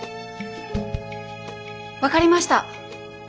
分かりました。